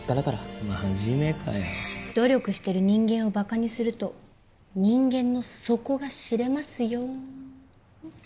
真面目かよ。努力してる人間をバカにすると人間の底が知れますよ。